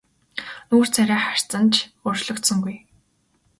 Нүүр царай харц нь ч өөрчлөгдсөнгүй.